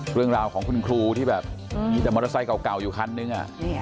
เรื่องราวของคุณครูที่แบบมีแต่มอเตอร์ไซค์เก่าอยู่คันนึง